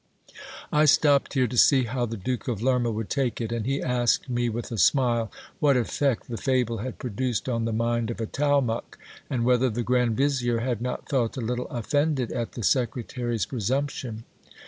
I stopped here, to see how the Duke of Lerma would take it ; and he asked me with a smile what effect the fable had produced on the mind of Atalmuc ; and whether the grand vizier had not felt a little offended at the secretary's pre sumption.